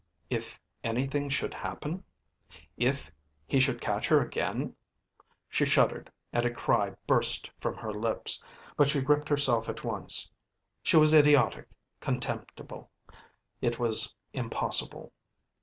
If anything should happen? If he should catch her again? She shuddered, and a cry burst from her lips, but she gripped herself at once. She was idiotic, contemptible; it was impossible.